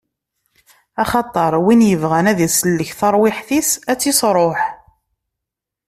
Axaṭer win yebɣan ad isellek taṛwiḥt-is ad tt-isṛuḥ.